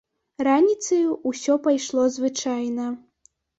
Раніцаю ўсё пайшло звычайна.